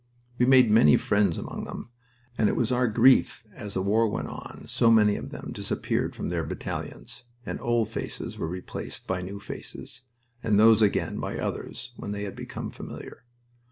We made many friends among them, and it was our grief that as the war went on so many of them disappeared from their battalions, and old faces were replaced by new faces, and those again by others when they had become familiar.